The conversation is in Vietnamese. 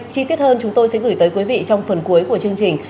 chi tiết hơn chúng tôi sẽ gửi tới quý vị trong phần cuối của chương trình